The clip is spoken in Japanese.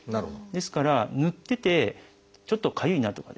ですからぬっててちょっとかゆいなとかですね